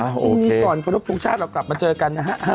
พรุ่งนี้ก่อนขอรบทรงชาติเรากลับมาเจอกันนะฮะ